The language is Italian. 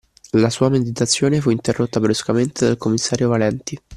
La sua meditazione fu interrotta bruscamente dal commissario Valenti